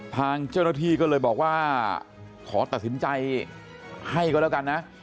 ทางเจ้าหน้าที่ก็เลยบอกว่าขอตัดสินใจให้ก็แล้วกันนะ